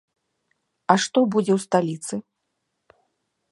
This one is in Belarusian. А што будзе ў сталіцы?